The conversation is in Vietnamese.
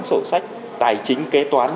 sổ sách tài chính kế toán